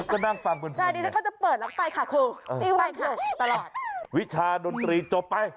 ก็นั่งฟังคุณฟัง